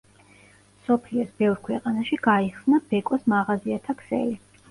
მსოფლიოს ბევრ ქვეყანაში გაიხსნა ბეკოს მაღაზიათა ქსელი.